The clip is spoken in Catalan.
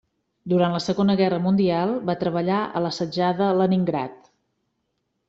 Durant la Segona Guerra Mundial va treballar a l'assetjada Leningrad.